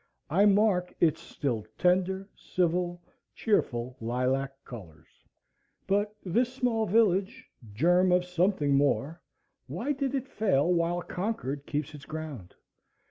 I mark its still tender, civil, cheerful, lilac colors. But this small village, germ of something more, why did it fail while Concord keeps its ground?